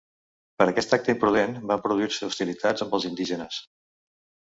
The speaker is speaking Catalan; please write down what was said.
Per aquest acte imprudent van produir-se hostilitats amb els indígenes.